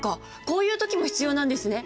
こういう時も必要なんですね。